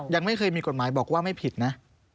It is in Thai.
ยังไม่เคยมีกฎหมายบอกว่าไม่ผิดนะ